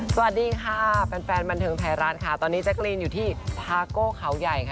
สวัสดีค่ะแฟนบันเทิงไทยรัฐค่ะตอนนี้แจ๊กรีนอยู่ที่พาโก้เขาใหญ่ค่ะ